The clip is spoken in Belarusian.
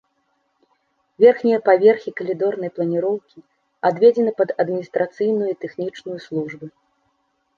Верхнія паверхі калідорнай планіроўкі, адведзены пад адміністрацыйную і тэхнічную службы.